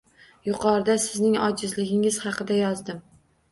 Yuqorida sizning ojizligingiz haqida yozdim.